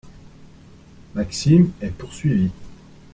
Maxime est poursuivi.